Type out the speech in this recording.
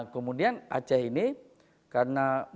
kemudian aceh ini karena